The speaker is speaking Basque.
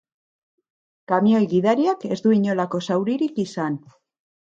Kamioi-gidariak ez du inolako zauririk izan.